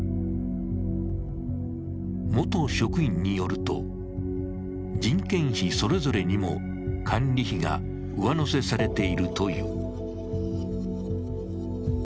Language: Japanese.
元職員によると、人件費それぞれにも管理費が上乗せされているという。